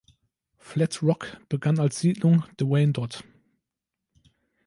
Flat Rock begann als Siedlung der Wyandot.